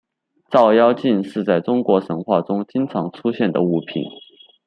照妖镜是在中国神话中经常出现的物品。